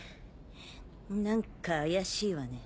何か怪しいわね。